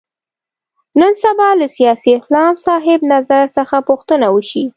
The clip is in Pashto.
نن سبا له سیاسي اسلام صاحب نظر څخه پوښتنه وشي.